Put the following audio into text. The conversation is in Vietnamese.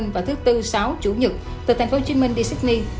và thứ bốn sáu chủ nhật từ tp hcm đi sydney